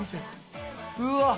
うわっ！